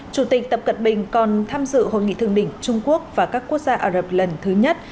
chủ tịch tập cận bình còn tham dự hội nghị thượng đỉnh trung quốc và các quốc gia ả rập lần thứ nhất